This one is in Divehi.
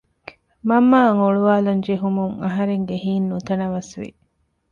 މަންމައަށް އޮޅުވާލަން ޖެހުމުން އަހަރެންގެ ހިތް ނުތަނަވަސް ވި